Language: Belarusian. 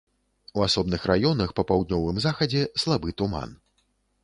У асобных раёнах па паўднёвым захадзе слабы туман.